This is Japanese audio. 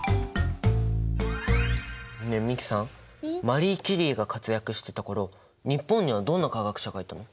マリー・キュリーが活躍してた頃日本にはどんな科学者がいたの？